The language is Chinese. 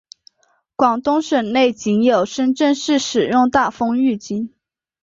广东省内仅有深圳市使用大风预警。